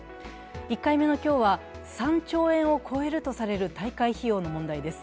１回目の今日は３兆円を超えるとされる大会費用の問題です。